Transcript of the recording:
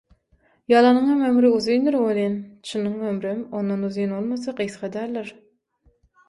Ýalanyňam ömri uzyndyr welin, çynyň ömrem ondan uzyn bolmasa gysga däldir.